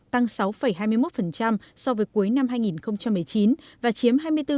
tăng sáu hai mươi một so với cuối năm hai nghìn một mươi chín và chiếm hai mươi bốn